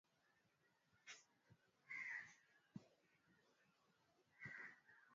Jua ni muhimu kwa mwili